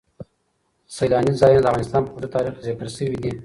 سیلانی ځایونه د افغانستان په اوږده تاریخ کې ذکر شوی دی.